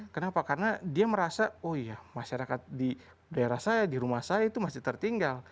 kenapa karena dia merasa oh iya masyarakat di daerah saya di rumah saya itu masih tertinggal